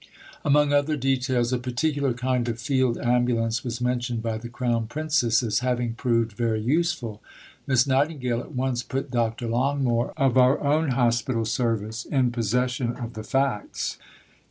Among other details, a particular kind of field ambulance was mentioned by the Crown Princess as having proved very useful. Miss Nightingale at once put Dr. Longmore, of our own hospital service, in possession of the facts.